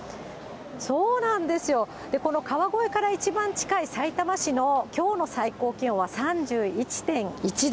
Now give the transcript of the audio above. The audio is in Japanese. そうなんですよ、この川越から一番近いさいたま市のきょうの最高気温は３１．１度。